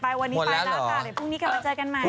วันนี้ไปแล้วค่ะเดี๋ยวพรุ่งนี้กลับมาเจอกันใหม่